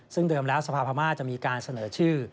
ซึ่งเดิมแล้วสภาพม่าจะมีการเสนอชื่อ